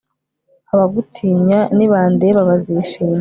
abagutinya nibandeba, bazishima